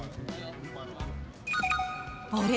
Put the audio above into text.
あれ？